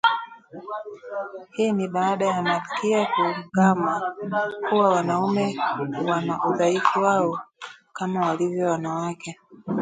Hii ni baada ya Malkia kuungama kuwa wanaume wana udhaifu wao kama walivyo wanawake